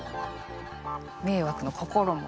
迷惑の「心」も。